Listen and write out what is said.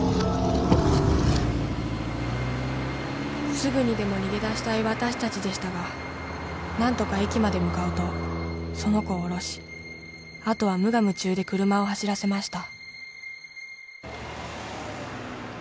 ［すぐにでも逃げ出したいわたしたちでしたが何とか駅まで向かうとその子を降ろしあとは無我夢中で車を走らせました］